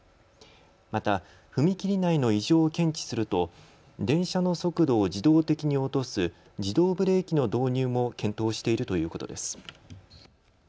また、踏切内の異常を検知すると電車の速度を自動的に落とす自動ブレーキの導入も検討しているということです。